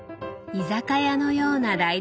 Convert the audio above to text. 居酒屋のような台所。